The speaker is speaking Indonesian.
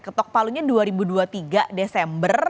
ketok palunya dua ribu dua puluh tiga desember